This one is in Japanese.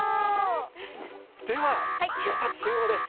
では出発進行です！